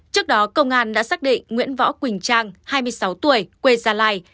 trước đó công an đã xác định nguyễn võ quỳnh trang hai mươi sáu tuổi quê gia lai